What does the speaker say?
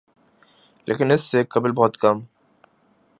لیکن اس سے قبل بہت کم